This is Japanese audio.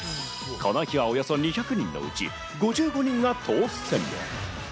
この日はおよそ２００人のうち５５人が当選。